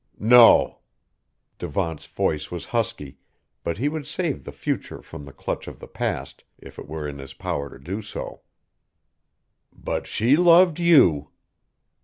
"No." Devant's voice was husky, but he would save the future from the clutch of the past, if it were in his power to do so. "But she loved you!"